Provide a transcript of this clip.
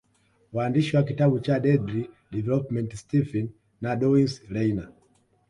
Waandishi wa kitabu cha Deadly Developments Stephen na Downs Reyna